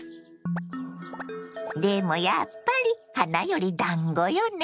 でもやっぱり花よりだんごよね。